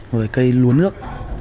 rồi cây luốn nước